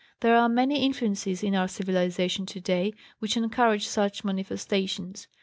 There are many influences in our civilization today which encourage such manifestations.